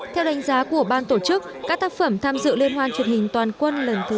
theo đánh giá của ban tổ chức các tác phẩm tham dự liên hoan truyền hình toàn quân lần thứ một mươi hai